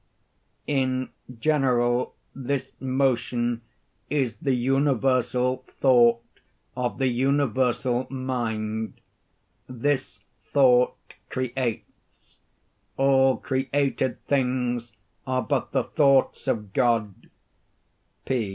_ In general, this motion is the universal thought of the universal mind. This thought creates. All created things are but the thoughts of God. _P.